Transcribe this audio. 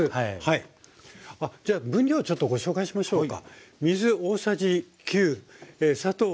あっじゃあ分量ちょっとご紹介しましょうか。